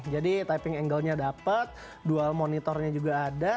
jadi typing angle nya dapat dual monitor nya juga ada